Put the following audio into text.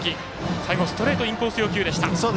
最後、ストレートインコース要求でした。